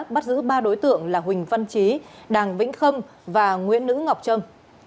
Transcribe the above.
bắt giữ ba đối tượng là huỳnh văn trí đàng vĩnh khâm và nguyễn nữ ngọc trâm